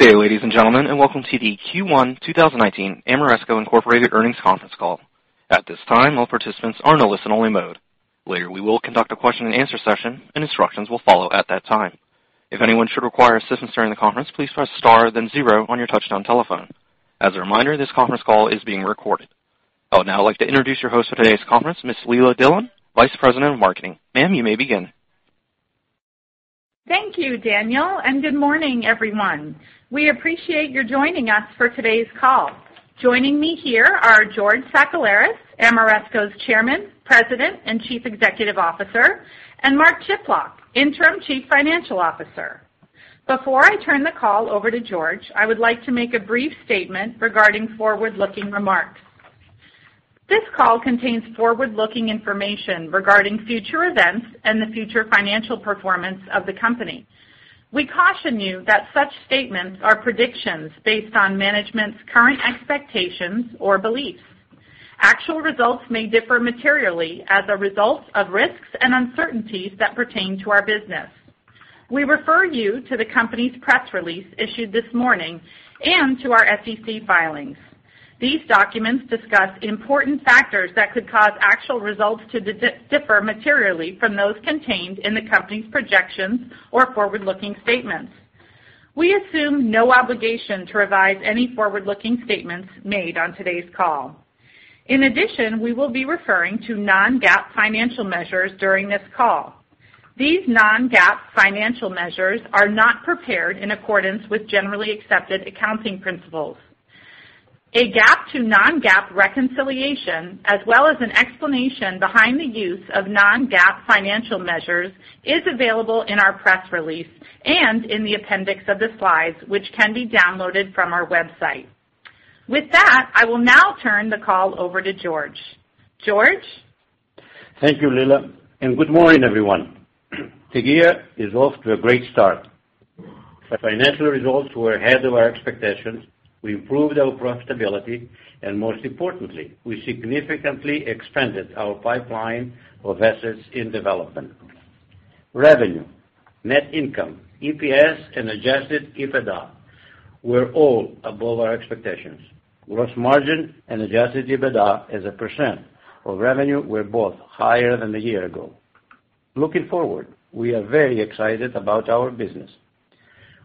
Good day, ladies and gentlemen, and welcome to the Q1 2019 Ameresco Incorporated Earnings Conference Call. At this time, all participants are in a listen-only mode. Later, we will conduct a question-and-answer session, and instructions will follow at that time. If anyone should require assistance during the conference, please press star then zero on your touchtone telephone. As a reminder, this conference is being recorded. I would now like to introduce your host for today's conference, Ms. Leila Dillon, Vice President of Marketing. Ma'am, you may begin. Thank you, Daniel, and good morning, everyone. We appreciate you joining us for today's call. Joining me here are George Sakellaris, Ameresco's Chairman, President, and Chief Executive Officer, and Mark Chiplock, Interim Chief Financial Officer. Before I turn the call over to George, I would like to make a brief statement regarding forward-looking remarks. This call contains forward-looking information regarding future events and the future financial performance of the company. We caution you that such statements are predictions based on management's current expectations or beliefs. Actual results may differ materially as a result of risks and uncertainties that pertain to our business. We refer you to the company's press release issued this morning and to our SEC filings. These documents discuss important factors that could cause actual results to differ materially from those contained in the company's projections or forward-looking statements. We assume no obligation to revise any forward-looking statements made on today's call. In addition, we will be referring to non-GAAP financial measures during this call. These non-GAAP financial measures are not prepared in accordance with generally accepted accounting principles. A GAAP to non-GAAP reconciliation, as well as an explanation behind the use of non-GAAP financial measures, is available in our press release and in the appendix of the slides, which can be downloaded from our website. With that, I will now turn the call over to George. George? Thank you, Leila, and good morning, everyone. The year is off to a great start. Our financial results were ahead of our expectations. We improved our profitability, and most importantly, we significantly expanded our pipeline of assets in development. Revenue, net income, EPS, and adjusted EBITDA were all above our expectations. Gross margin and adjusted EBITDA as a percent of revenue were both higher than a year ago. Looking forward, we are very excited about our business.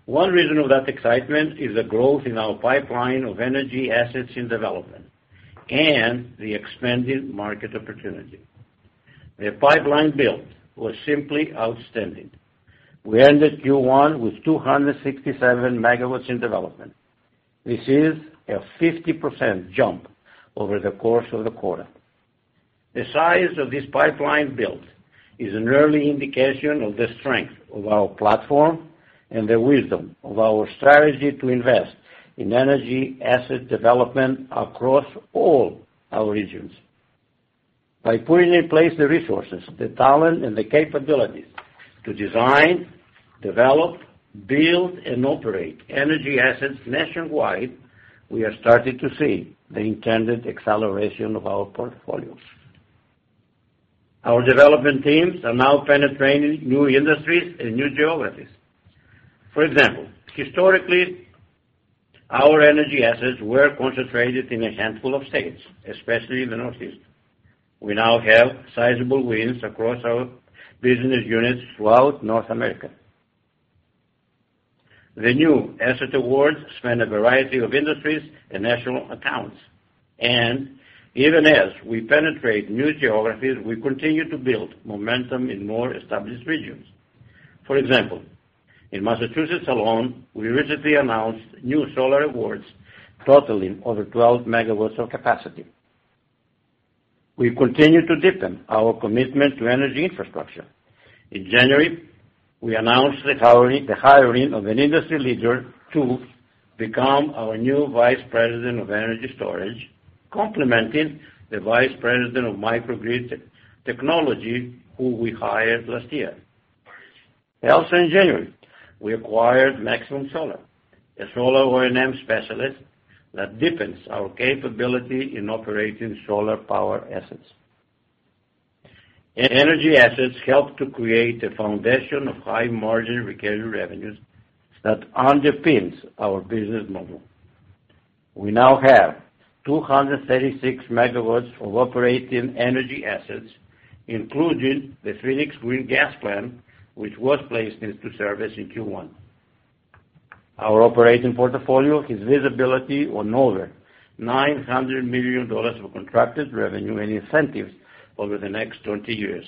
One reason of that excitement is the growth in our pipeline of energy assets in development and the expanded market opportunity. The pipeline build was simply outstanding. We ended Q1 with 267 MW in development. This is a 50% jump over the course of the quarter. The size of this pipeline build is an early indication of the strength of our platform and the wisdom of our strategy to invest in energy asset development across all our regions. By putting in place the resources, the talent, and the capabilities to design, develop, build, and operate energy assets nationwide, we are starting to see the intended acceleration of our portfolios. Our development teams are now penetrating new industries and new geographies. For example, historically, our energy assets were concentrated in a handful of states, especially in the Northeast. We now have sizable wins across our business units throughout North America. The new asset awards span a variety of industries and national accounts, and even as we penetrate new geographies, we continue to build momentum in more established regions. For example, in Massachusetts alone, we recently announced new solar awards totaling over 12 megawatts of capacity. We continue to deepen our commitment to energy infrastructure. In January, we announced the hiring of an industry leader to become our new Vice President of Energy Storage, complementing the Vice President of Microgrid Technology, who we hired last year. Also in January, we acquired Maximum Solar, a solar O&M specialist that deepens our capability in operating solar power assets. Energy assets help to create a foundation of high-margin recurring revenues that underpins our business model. We now have 236 megawatts of operating energy assets, including the Phoenix Green Gas Plant, which was placed into service in Q1. Our operating portfolio has visibility on over $900 million of contracted revenue and incentives over the next 20 years.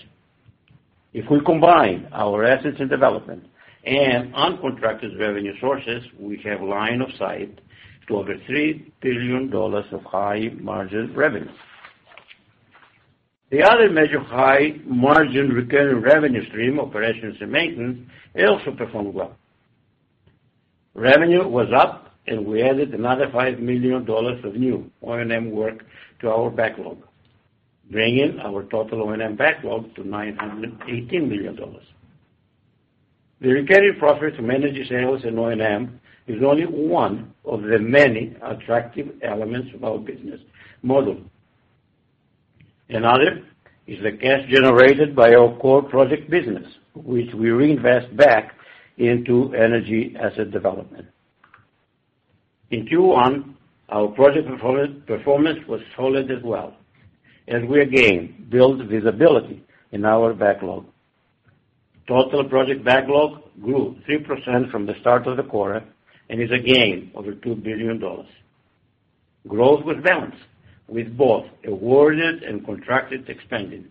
If we combine our assets in development and uncontracted revenue sources, we have line of sight to over $3 billion of high-margin revenue. The other measure of high-margin recurring revenue stream, operations and maintenance, also performed well. Revenue was up, and we added another $5 million of new O&M work to our backlog, bringing our total O&M backlog to $918 million. The recurring profit from energy sales and O&M is only one of the many attractive elements of our business model.... Another is the cash generated by our core project business, which we reinvest back into energy asset development. In Q1, our project performance was solid as well, and we again built visibility in our backlog. Total project backlog grew 3% from the start of the quarter and is again over $2 billion. Growth was balanced, with both awarded and contracted expanding.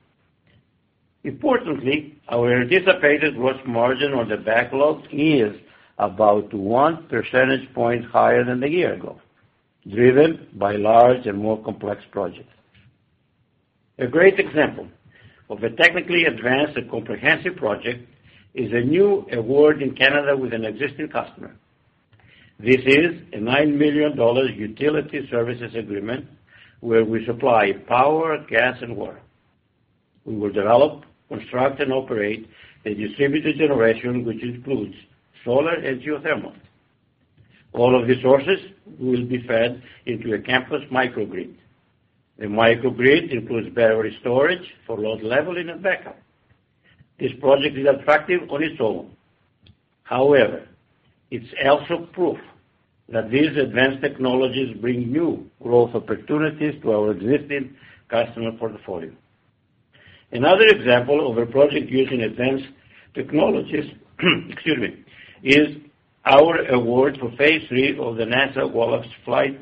Importantly, our anticipated gross margin on the backlog is about 1 percentage point higher than a year ago, driven by large and more complex projects. A great example of a technically advanced and comprehensive project is a new award in Canada with an existing customer. This is a $9 million utility services agreement where we supply power, gas, and water. We will develop, construct, and operate a distributed generation, which includes solar and geothermal. All of the sources will be fed into a campus microgrid. The microgrid includes battery storage for load leveling and backup. This project is attractive on its own. However, it's also proof that these advanced technologies bring new growth opportunities to our existing customer portfolio. Another example of a project using advanced technologies, excuse me, is our award for Phase 3 of the NASA Wallops Flight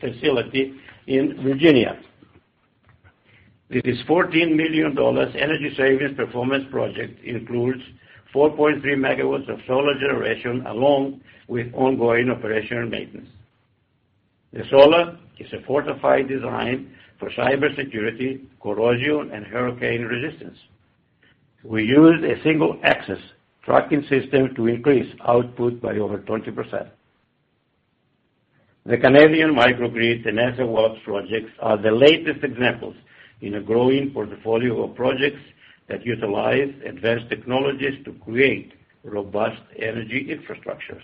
Facility in Virginia. This is a $14 million energy savings performance project includes 4.3 megawatts of solar generation along with ongoing operation and maintenance. The solar is a fortified design for cybersecurity, corrosion, and hurricane resistance. We use a single-axis tracking system to increase output by over 20%. The Canadian microgrid, the NASA Wallops projects, are the latest examples in a growing portfolio of projects that utilize advanced technologies to create robust energy infrastructures.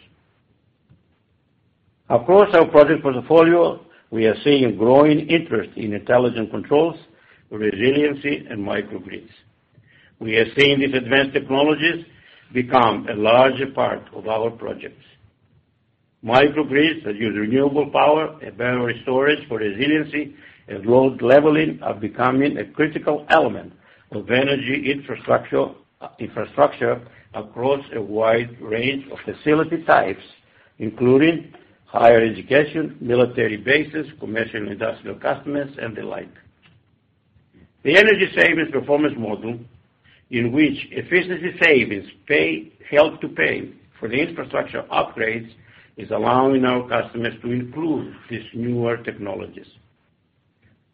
Across our project portfolio, we are seeing a growing interest in intelligent controls, resiliency, and microgrids. We are seeing these advanced technologies become a larger part of our projects. Microgrids that use renewable power and battery storage for resiliency and load leveling are becoming a critical element of energy infrastructure across a wide range of facility types, including higher education, military bases, commercial and industrial customers, and the like. The energy savings performance model, in which efficiency savings help to pay for the infrastructure upgrades, is allowing our customers to include these newer technologies.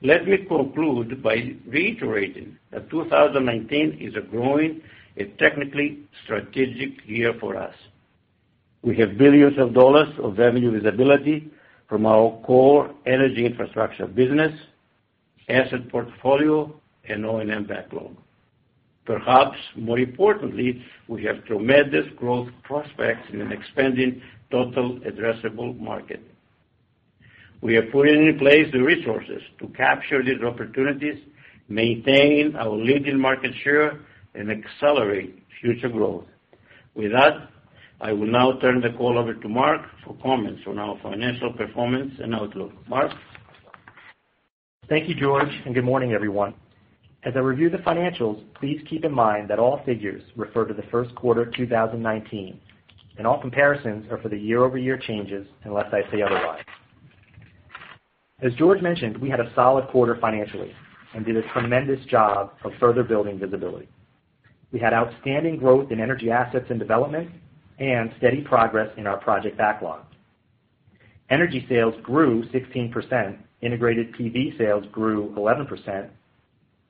Let me conclude by reiterating that 2019 is a growing and technically strategic year for us. We have billions of dollars of revenue visibility from our core energy infrastructure business, asset portfolio, and O&M backlog. Perhaps more importantly, we have tremendous growth prospects in an expanding total addressable market. We are putting in place the resources to capture these opportunities, maintain our leading market share, and accelerate future growth. With that, I will now turn the call over to Mark for comments on our financial performance and outlook. Mark? Thank you, George, and good morning, everyone. As I review the financials, please keep in mind that all figures refer to the first quarter of 2019, and all comparisons are for the year-over-year changes, unless I say otherwise. As George mentioned, we had a solid quarter financially and did a tremendous job of further building visibility. We had outstanding growth in energy assets and development and steady progress in our project backlog. Energy sales grew 16%, integrated PV sales grew 11%,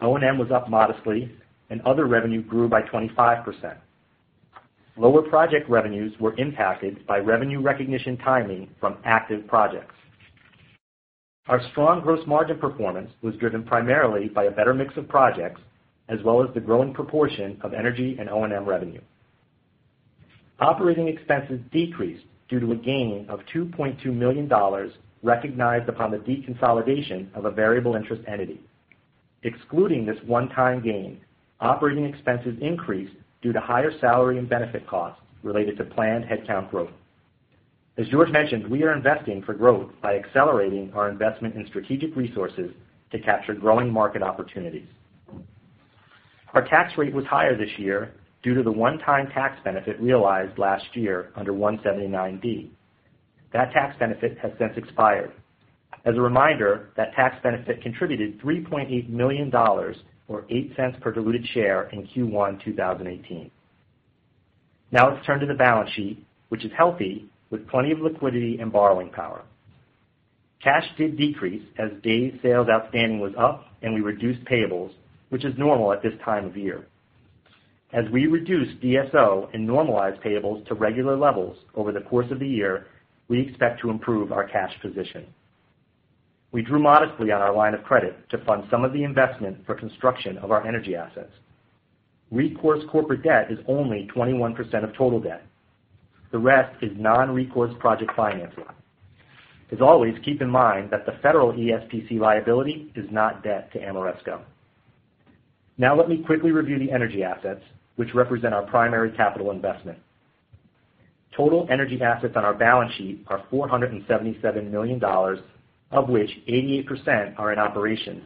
O&M was up modestly, and other revenue grew by 25%. Lower project revenues were impacted by revenue recognition timing from active projects. Our strong gross margin performance was driven primarily by a better mix of projects, as well as the growing proportion of energy and O&M revenue. Operating expenses decreased due to a gain of $2.2 million, recognized upon the deconsolidation of a variable interest entity. Excluding this one-time gain, operating expenses increased due to higher salary and benefit costs related to planned headcount growth. As George mentioned, we are investing for growth by accelerating our investment in strategic resources to capture growing market opportunities. Our tax rate was higher this year due to the one-time tax benefit realized last year under 179D. That tax benefit contributed $3.8 million, or $0.08 per diluted share in Q1 2018. Now, let's turn to the balance sheet, which is healthy, with plenty of liquidity and borrowing power. Cash did decrease as Days Sales Outstanding was up and we reduced payables, which is normal at this time of year. As we reduce DSO and normalize payables to regular levels over the course of the year, we expect to improve our cash position. We drew modestly on our line of credit to fund some of the investment for construction of our energy assets. Recourse corporate debt is only 21% of total debt. The rest is non-recourse project financing. As always, keep in mind that the federal ESPC liability is not debt to Ameresco. Now let me quickly review the energy assets, which represent our primary capital investment. Total energy assets on our balance sheet are $477 million, of which 88% are in operation,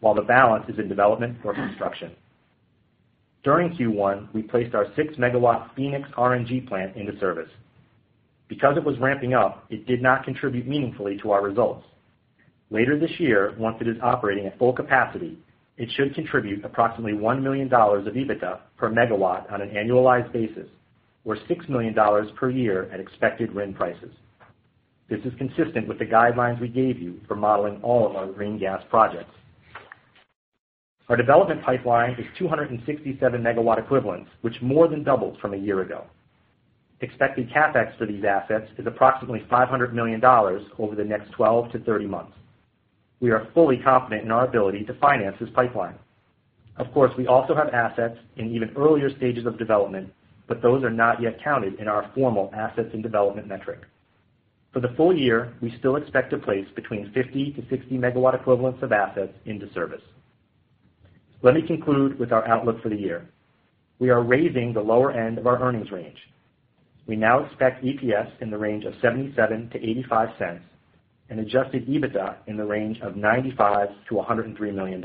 while the balance is in development or construction. During Q1, we placed our 6-MW Phoenix RNG plant into service. Because it was ramping up, it did not contribute meaningfully to our results. Later this year, once it is operating at full capacity, it should contribute approximately $1 million of EBITDA per megawatt on an annualized basis, or $6 million per year at expected RIN prices. This is consistent with the guidelines we gave you for modeling all of our green gas projects. Our development pipeline is 267 megawatt equivalents, which more than doubles from a year ago. Expected CapEx for these assets is approximately $500 million over the next 12-30 months. We are fully confident in our ability to finance this pipeline. Of course, we also have assets in even earlier stages of development, but those are not yet counted in our formal assets and development metric. For the full year, we still expect to place between 50-60 megawatt equivalents of assets into service. Let me conclude with our outlook for the year. We are raising the lower end of our earnings range. We now expect EPS in the range of $0.77-$0.85 and adjusted EBITDA in the range of $95 million-$103 million.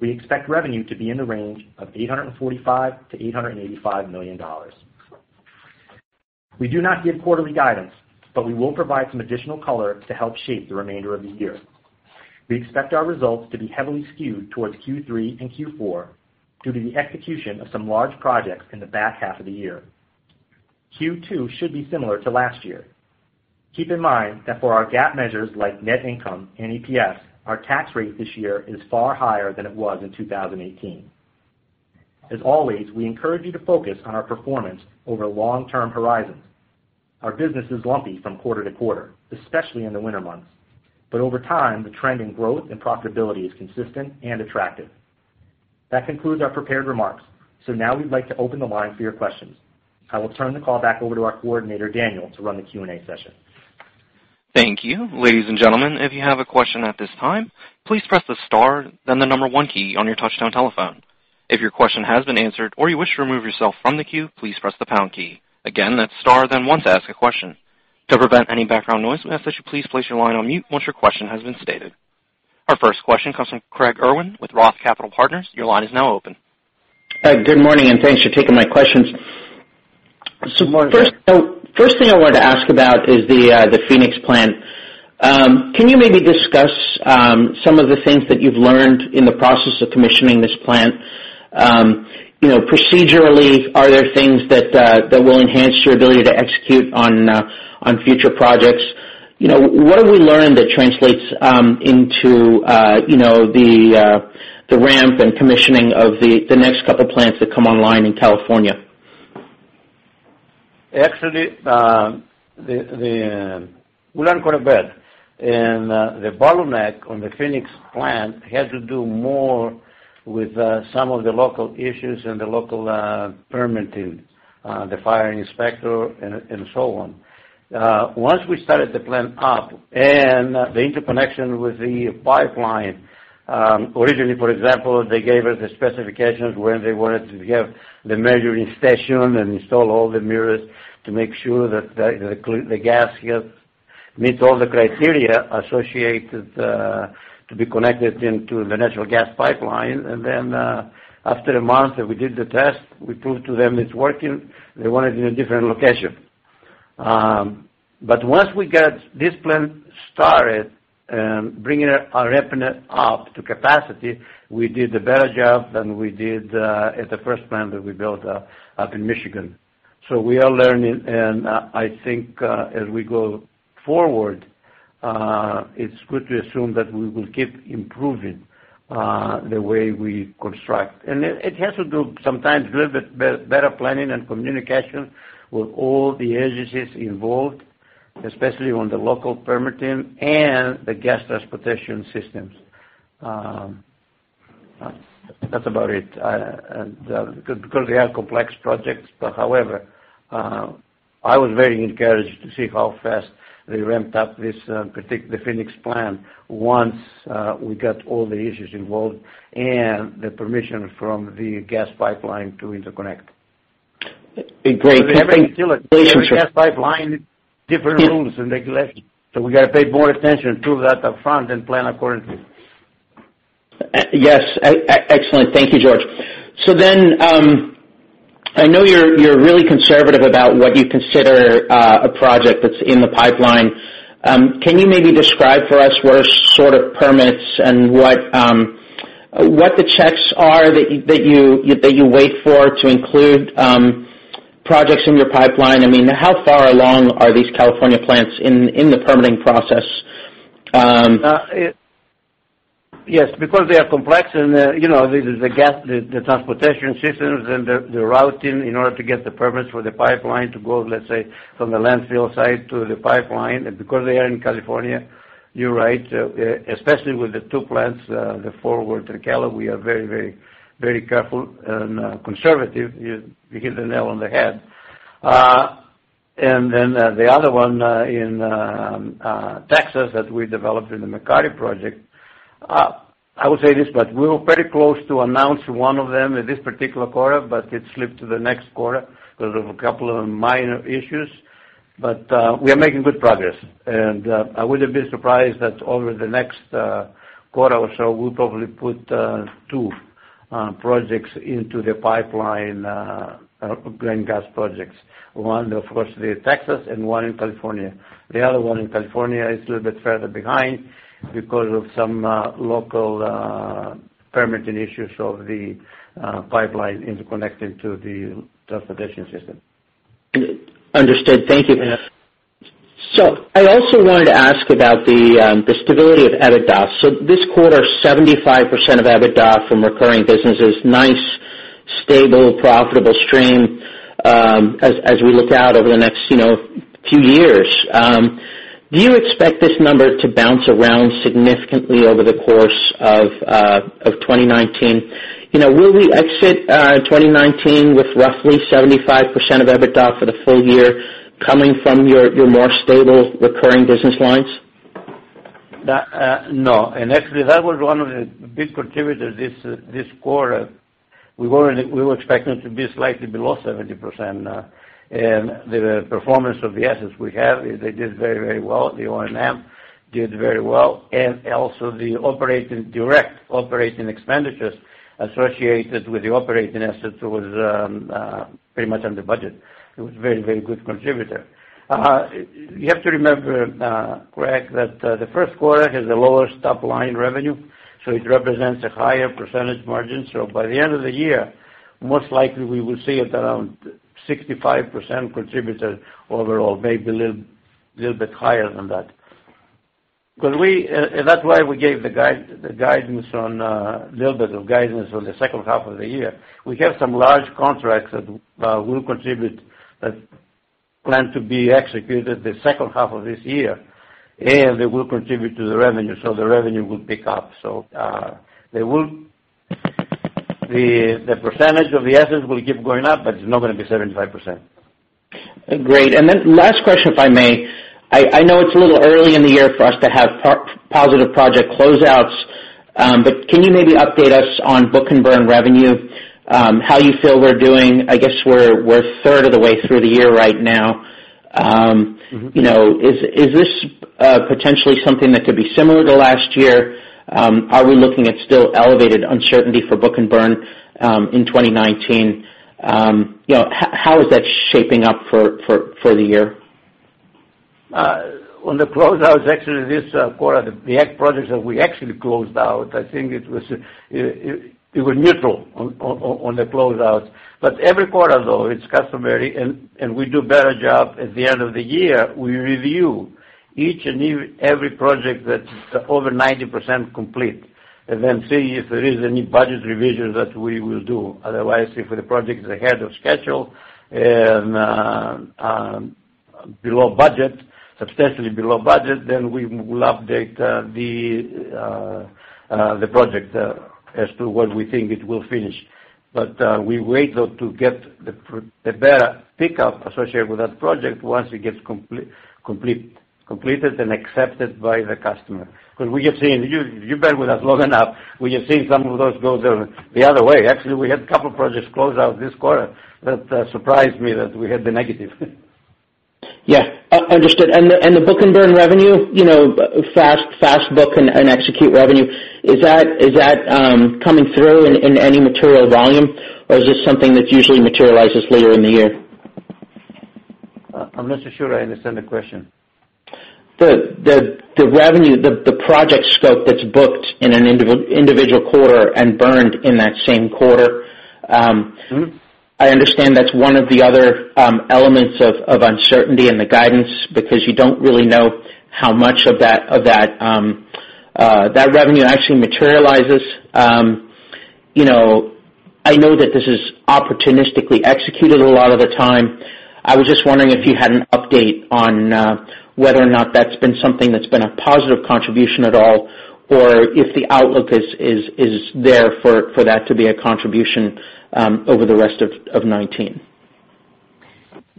We expect revenue to be in the range of $845 million-$885 million. We do not give quarterly guidance, but we will provide some additional color to help shape the remainder of the year. We expect our results to be heavily skewed towards Q3 and Q4, due to the execution of some large projects in the back half of the year. Q2 should be similar to last year. Keep in mind that for our GAAP measures, like net income and EPS, our tax rate this year is far higher than it was in 2018. As always, we encourage you to focus on our performance over long-term horizons. Our business is lumpy from quarter to quarter, especially in the winter months, but over time, the trend in growth and profitability is consistent and attractive. That concludes our prepared remarks. So now we'd like to open the line for your questions. I will turn the call back over to our coordinator, Daniel, to run the Q&A session. Thank you. Ladies and gentlemen, if you have a question at this time, please press the star, then the number one key on your touch-tone telephone. If your question has been answered or you wish to remove yourself from the queue, please press the pound key. Again, that's star then one to ask a question. To prevent any background noise, we ask that you please place your line on mute once your question has been stated. Our first question comes from Craig Irwin with Roth Capital Partners. Your line is now open. Good morning, and thanks for taking my questions. So first, first thing I wanted to ask about is the Phoenix plant. Can you maybe discuss some of the things that you've learned in the process of commissioning this plant? You know, procedurally, are there things that will enhance your ability to execute on future projects? You know, what have we learned that translates into the ramp and commissioning of the next couple of plants that come online in California? Actually, we learned quite a bit. The bottleneck on the Phoenix plant had to do more with some of the local issues and the local permitting, the fire inspector and so on. Once we started the plant up and the interconnection with the pipeline, originally, for example, they gave us the specifications where they wanted to have the measuring station and install all the mirrors to make sure that the gas meets all the criteria associated to be connected into the natural gas pipeline. Then, after a month that we did the test, we proved to them it's working, they want it in a different location. But once we got this plant started, bringing it, our revenue up to capacity, we did a better job than we did at the first plant that we built up in Michigan. So we are learning, and I think as we go forward, it's good to assume that we will keep improving the way we construct. And it has to do sometimes with better planning and communication with all the agencies involved, especially on the local permitting and the gas transportation systems. That's about it. And because they are complex projects. But however, I was very encouraged to see how fast they ramped up this the Phoenix plant, once we got all the issues involved and the permission from the gas pipeline to interconnect. Great. Every gas pipeline, different rules and regulations, so we got to pay more attention to that upfront and plan accordingly. Yes, excellent. Thank you, George. So then, I know you're really conservative about what you consider a project that's in the pipeline. Can you maybe describe for us what sort of permits and what the checks are that you wait for to include projects in your pipeline? I mean, how far along are these California plants in the permitting process? Yes, because they are complex and, you know, the gas, the transportation systems and the routing in order to get the permits for the pipeline to go, let's say, from the landfill site to the pipeline, and because they are in California... You're right, especially with the two plants, the Forward and Keller, we are very, very, very careful and, conservative. You hit the nail on the head. And then, the other one, in Texas, that we developed in the McCarty project. I would say this, but we were pretty close to announce one of them in this particular quarter, but it slipped to the next quarter because of a couple of minor issues. But, we are making good progress. I wouldn't be surprised that over the next quarter or so, we'll probably put two projects into the pipeline, RNG projects. One, of course, the Texas and one in California. The other one in California is a little bit further behind because of some local permitting issues of the pipeline interconnected to the transportation system. Understood. Thank you. So I also wanted to ask about the stability of EBITDA. So this quarter, 75% of EBITDA from recurring business is nice, stable, profitable stream. As we look out over the next, you know, few years, do you expect this number to bounce around significantly over the course of 2019? You know, will we exit 2019 with roughly 75% of EBITDA for the full year coming from your more stable recurring business lines? That, no, and actually, that was one of the big contributors this quarter. We were expecting it to be slightly below 70%, and the performance of the assets we have, they did very, very well. The O&M did very well, and also the operating, direct operating expenditures associated with the operating assets was pretty much under budget. It was a very, very good contributor. You have to remember, Greg, that the first quarter has a lower top line revenue, so it represents a higher percentage margin. So by the end of the year, most likely we will see it around 65% contributor overall, maybe a little bit higher than that. Because we, and that's why we gave the guidance on little bit of guidance on the second half of the year. We have some large contracts that will contribute, that plan to be executed the second half of this year, and they will contribute to the revenue, so the revenue will pick up. So, they will. The percentage of the assets will keep going up, but it's not gonna be 75%. Great. And then last question, if I may. I know it's a little early in the year for us to have positive project closeouts, but can you maybe update us on book-and-Burn revenue? How you feel we're doing? I guess we're third of the way through the year right now. Mm-hmm. You know, is this potentially something that could be similar to last year? Are we looking at still elevated uncertainty for book-and-burn in 2019? You know, how is that shaping up for the year? On the closeout, actually, this quarter, the projects that we actually closed out, I think it was neutral on the closeout. But every quarter, though, it's customary, and we do a better job at the end of the year, we review each and every project that is over 90% complete, and then see if there is any budget revisions that we will do. Otherwise, if the project is ahead of schedule and below budget, substantially below budget, then we will update the project as to when we think it will finish. But we wait, though, to get the better pickup associated with that project once it gets completed and accepted by the customer. Because we have seen, you, you've been with us long enough, we have seen some of those go the other way. Actually, we had a couple projects closed out this quarter that surprised me that we had the negative. Yeah, understood. And the book-and-burn revenue, you know, fast book and execute revenue, is that coming through in any material volume, or is this something that usually materializes later in the year? I'm not so sure I understand the question. The revenue, the project scope that's booked in an individual quarter and burned in that same quarter. Mm-hmm. I understand that's one of the other elements of uncertainty in the guidance, because you don't really know how much of that revenue actually materializes. You know, I know that this is opportunistically executed a lot of the time. I was just wondering if you had an update on whether or not that's been something that's been a positive contribution at all, or if the outlook is there for that to be a contribution over the rest of 2019.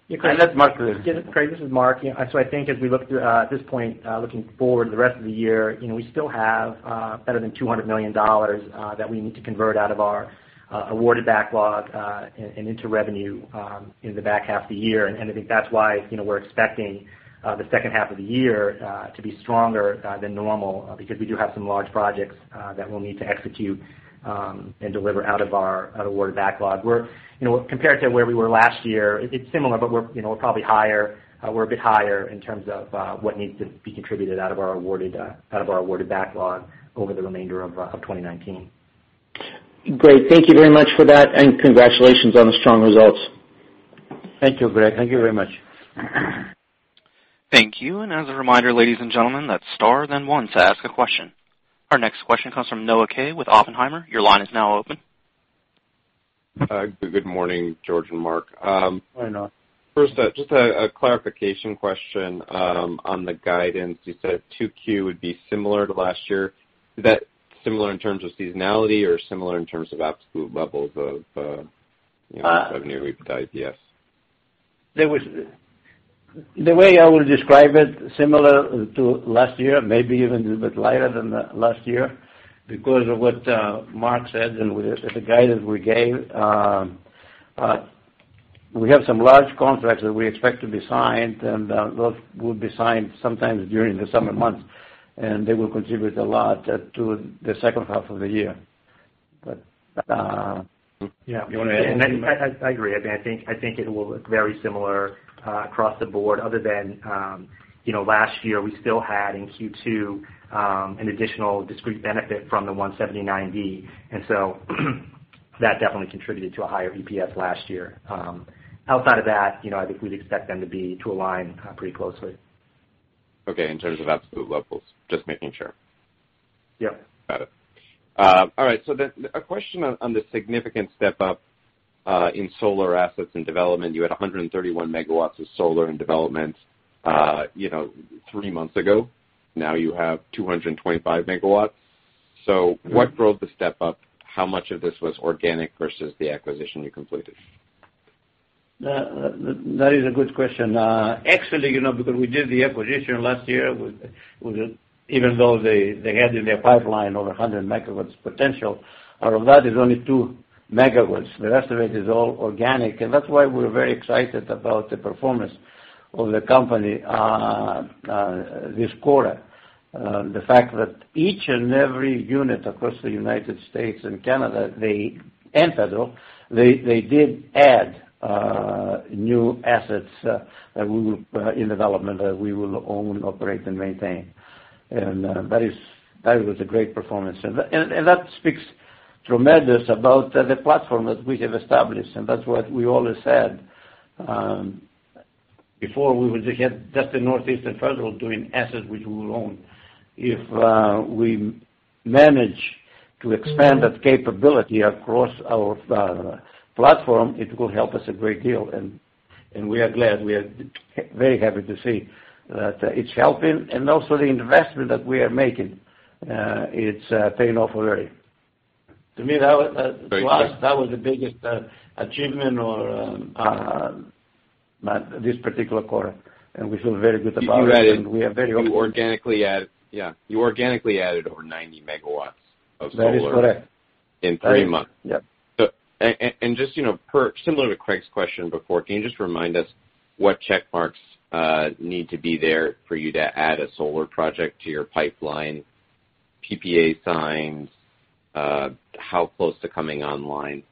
That's Mark. Yeah, Craig, this is Mark. You know, so I think as we look through at this point, looking forward to the rest of the year, you know, we still have better than $200 million that we need to convert out of our awarded backlog and into revenue in the back half of the year. And I think that's why, you know, we're expecting the second half of the year to be stronger than normal because we do have some large projects that we'll need to execute and deliver out of our awarded backlog. You know, compared to where we were last year, it's similar, but you know, we're probably higher. We're a bit higher in terms of what needs to be contributed out of our awarded backlog over the remainder of 2019. Great. Thank you very much for that, and congratulations on the strong results. Thank you, George. Thank you very much. Thank you. And as a reminder, ladies and gentlemen, that's Star then one to ask a question. Our next question comes from Noah Kaye with Oppenheimer. Your line is now open.... Good morning, George and Mark. Hi, Noah. First, just a clarification question on the guidance. You said 2Q would be similar to last year. Is that similar in terms of seasonality or similar in terms of absolute levels of, you know, revenue, EBITDA, EPS? The way I would describe it, similar to last year, maybe even a little bit lighter than the last year, because of what Mark said, and with the guidance we gave, we have some large contracts that we expect to be signed, and those will be signed sometimes during the summer months, and they will contribute a lot to the second half of the year. But, Yeah. You wanna add anything? I agree. I think it will look very similar across the board, other than, you know, last year, we still had in Q2 an additional discrete benefit from the 179D, and so, that definitely contributed to a higher EPS last year. Outside of that, you know, I think we'd expect them to align pretty closely. Okay, in terms of absolute levels. Just making sure. Yep. Got it. All right, so then a question on, on the significant step-up, in solar assets and development. You had 131 megawatts of solar in development, you know, three months ago. Now, you have 225 megawatts. So- Mm-hmm. What drove the step up? How much of this was organic versus the acquisition you completed? That is a good question. Actually, you know, because we did the acquisition last year, with the, even though they had in their pipeline over 100 megawatts potential, out of that is only 2 megawatts. The rest of it is all organic, and that's why we're very excited about the performance of the company this quarter. The fact that each and every unit across the United States and Canada and federal, they did add new assets that we will, in development, that we will own, operate, and maintain. That was a great performance. And that speaks tremendous about the platform that we have established, and that's what we always said. Before we would had just the Northeast and federal doing assets which we own. If we manage to expand- Mm-hmm. -that capability across our platform, it will help us a great deal, and, and we are glad. We are very happy to see that it's helping, and also the investment that we are making, it's paying off already. To me, that was, Thank you. To us, that was the biggest achievement this particular quarter, and we feel very good about it- You added- We are very hopeful. You organically added... Yeah, you organically added over 90 megawatts of solar- That is correct. In three months? Yep. And just, you know, similar to Craig's question before, can you just remind us what check marks need to be there for you to add a solar project to your pipeline, PPA signs, how close to coming online?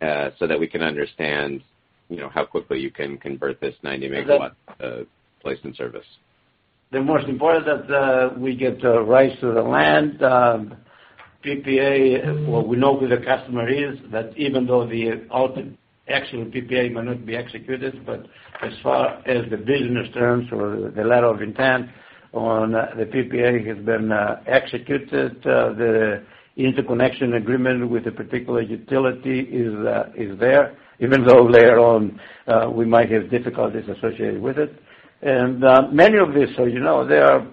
So that we can understand, you know, how quickly you can convert this 90-megawatt place in service. The most important that we get rights to the land, PPA, or we know who the customer is, that even though the actual PPA may not be executed, but as far as the business terms or the letter of intent on the PPA has been executed, the interconnection agreement with the particular utility is there, even though later on we might have difficulties associated with it. And many of these, so you know, they are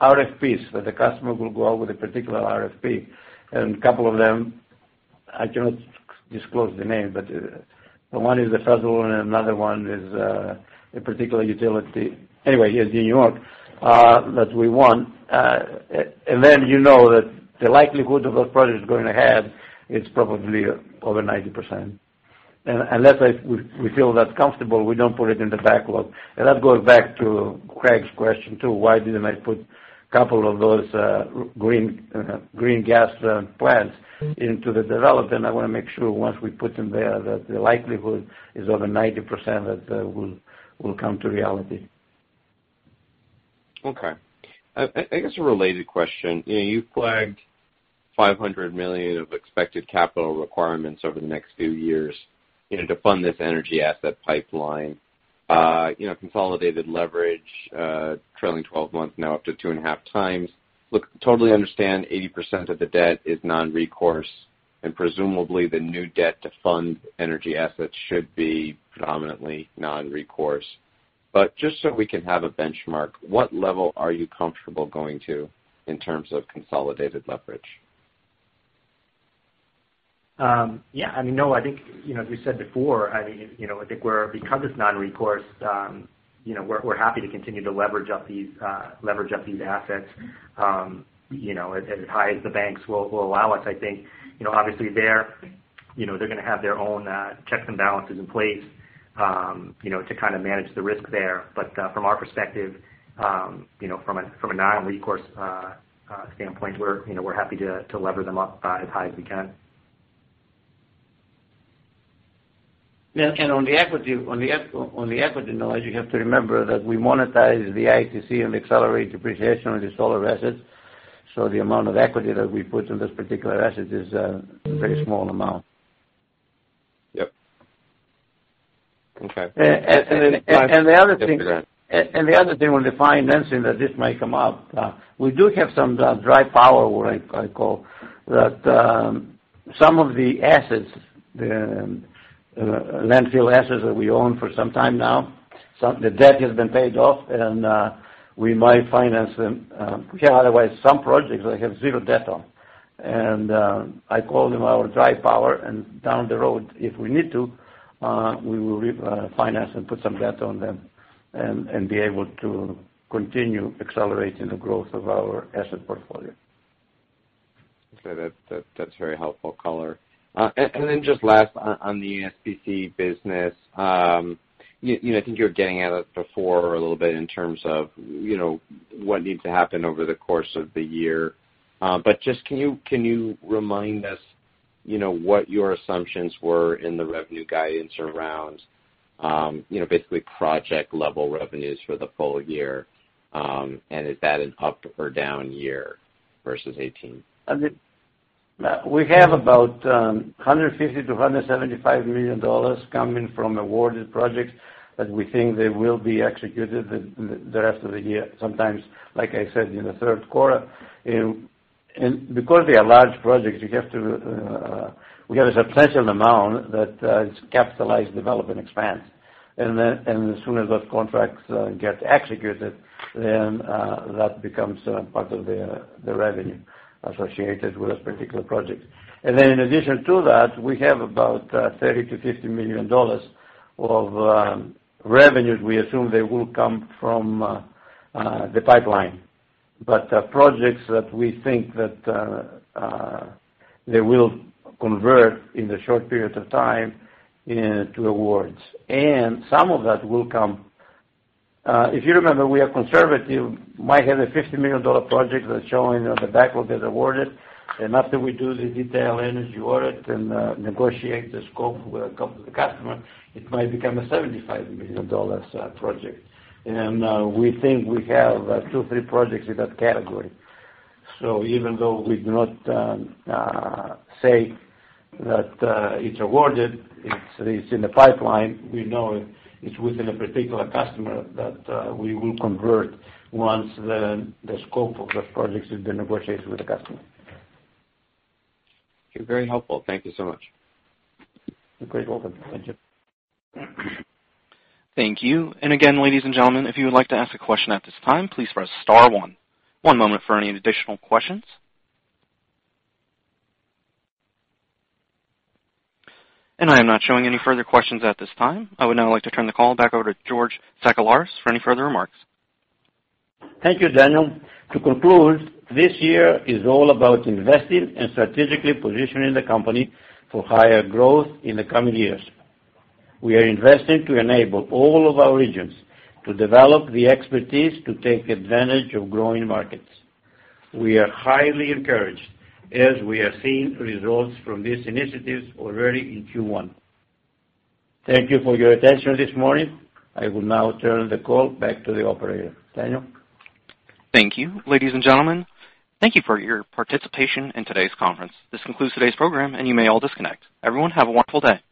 RFPs, that the customer will go out with a particular RFP, and couple of them, I cannot disclose the name, but one is the federal and another one is a particular utility. Anyway, here in New York that we won. And then you know that the likelihood of those projects going ahead is probably over 90%. Unless we feel that's comfortable, we don't put it in the backlog. And that goes back to Craig's question, too. Why didn't I put a couple of those green gas plants- Mm-hmm. into the development? I want to make sure once we put them there, that the likelihood is over 90%, that will, will come to reality. Okay. I guess a related question, you know, you flagged $500 million of expected capital requirements over the next few years, you know, to fund this energy asset pipeline. You know, consolidated leverage, trailing twelve months, now up to 2.5 times. Look, totally understand 80% of the debt is non-recourse, and presumably the new debt to fund energy assets should be predominantly non-recourse. But just so we can have a benchmark, what level are you comfortable going to in terms of consolidated leverage? Yeah, I mean, no, I think, you know, as we said before, I mean, you know, I think we're, because it's non-recourse, you know, we're, we're happy to continue to leverage up these, leverage up these assets, you know, as, as high as the banks will, will allow us. I think, you know, obviously they're, you know, they're gonna have their own, checks and balances in place, you know, to kind of manage the risk there. But, from our perspective, you know, from a, from a non-recourse, standpoint, we're, you know, we're happy to, to lever them up, as high as we can. Yeah, and on the equity knowledge, you have to remember that we monetize the ITC and accelerate depreciation on the solar assets, so the amount of equity that we put in this particular asset is a very small amount. Yep. Okay. And the other thing, when we finance it, that this might come up, we do have some dry powder, what I call, some of the assets, the landfill assets that we own for some time now, the debt has been paid off, and we might finance them. We have otherwise some projects that have zero debt on. And I call them our dry powder, and down the road, if we need to, we will refinance and put some debt on them and be able to continue accelerating the growth of our asset portfolio. Okay, that's very helpful color. And then just last on the ESPC business, you know, I think you were getting at it before a little bit in terms of, you know, what needs to happen over the course of the year. But just, can you remind us, you know, what your assumptions were in the revenue guidance around, you know, basically project-level revenues for the full year? And is that an up or down year versus 2018? And we have about $150 million-$175 million coming from awarded projects that we think they will be executed the rest of the year. Sometimes, like I said, in the third quarter. And because they are large projects, you have to, we have a substantial amount that is capitalized development expense. And then, as soon as those contracts get executed, then that becomes part of the revenue associated with those particular projects. And then in addition to that, we have about $30 million-$50 million of revenues we assume they will come from the pipeline. But projects that we think that they will convert in the short period of time to awards. And some of that will come... If you remember, we are conservative, might have a $50 million project that's showing on the backlog that's awarded, and after we do the detail energy audit and negotiate the scope with the customer, it might become a $75 million project. And we think we have two, three projects in that category. So even though we do not say that it's awarded, it's in the pipeline, we know it's within a particular customer that we will convert once the scope of those projects has been negotiated with the customer. You're very helpful. Thank you so much. You're quite welcome. Thank you. Thank you. And again, ladies and gentlemen, if you would like to ask a question at this time, please press star one. One moment for any additional questions. And I am not showing any further questions at this time. I would now like to turn the call back over to George Sakellaris for any further remarks. Thank you, Daniel. To conclude, this year is all about investing and strategically positioning the company for higher growth in the coming years. We are investing to enable all of our regions to develop the expertise to take advantage of growing markets. We are highly encouraged as we are seeing results from these initiatives already in Q1. Thank you for your attention this morning. I will now turn the call back to the operator. Daniel? Thank you. Ladies and gentlemen, thank you for your participation in today's conference. This concludes today's program, and you may all disconnect. Everyone, have a wonderful day.